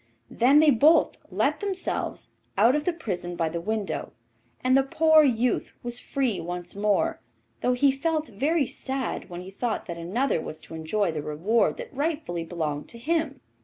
Then they both let themselves out of the prison by the window, and the poor youth was free once more, though he felt very sad when he thought that another was to enjoy the reward that rightfully belonged to him.